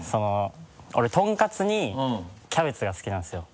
俺とんかつにキャベツが好きなんですよ。